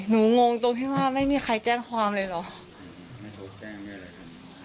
หนูงงตรงที่มาไม่มีใครแจ้งความเลยหรอ